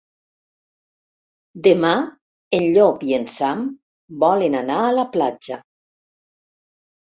Demà en Llop i en Sam volen anar a la platja.